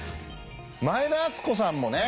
前田敦子さんもね